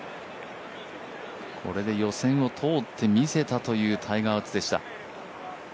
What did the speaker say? これで予選を通ってみせたというタイガー・ウッズでした。